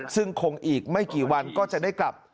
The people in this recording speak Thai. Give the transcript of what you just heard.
ซึ่งคงอีกไม่กี่วันก็จะได้กลับ